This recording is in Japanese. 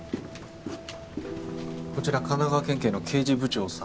こちら神奈川県警の刑事部長さん